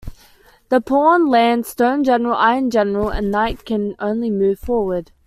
The pawn, lance, stone general, iron general, and knight can only move forward.